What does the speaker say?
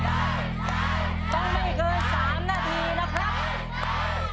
ต้องไม่เกิน๓นาทีนะครับ